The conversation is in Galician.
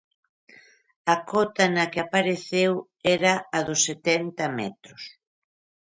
A cota na que apareceu era a dos setenta metros.